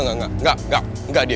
nggak gak gak dia